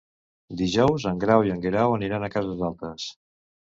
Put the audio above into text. Dijous en Grau i en Guerau aniran a Cases Altes.